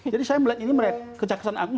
jadi saya melihat ini kejaksaan agung